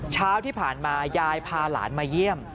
เช้าที่ผ่านมายายพาหลานมาเยี่ยม